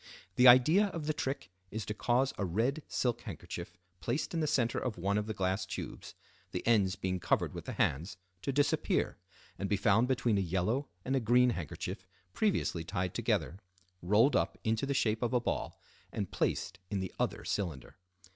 The idea of the trick is to cause a red silk handkerchief placed in the center of one of the glass tubes, the ends being covered with the hands, to disappear, and be found between a yellow and a green handkerchief previously tied together, rolled up into the shape of a ball, and placed in the other cylinder.